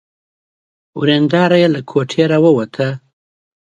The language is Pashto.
ورېندار يې له کوټې را ووته.